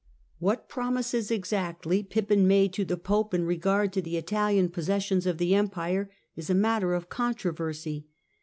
What promises exactly Pippin made to the Pope in egard to the Italian possessions of the Empire is a natter of controversy.